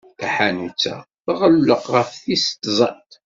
Taḥanut-a tɣelleq ɣef tis tẓat.